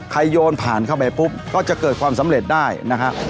โยนผ่านเข้าไปปุ๊บก็จะเกิดความสำเร็จได้นะฮะ